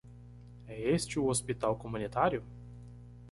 É este o Hospital Comunitário?